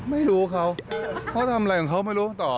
ไม่รู้เขาเขาทำอะไรของเขาไม่รู้ต่อ